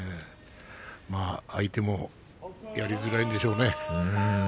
相手もやりづらいでしょうね。